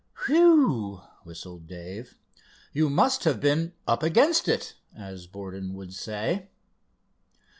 "Whew!" whistled Dave. "You must have been 'up against it,' as Borden would say."